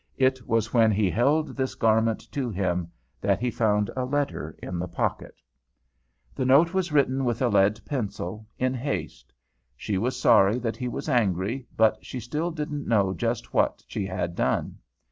It was when he held this garment to him that he found a letter in the pocket. The note was written with a lead pencil, in haste: She was sorry that he was angry, but she still didn't know just what she had done.